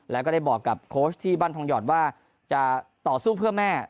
และก็บอกกับที่บ้านทองหยอดว่าจะต่อสู้เพื่อแม่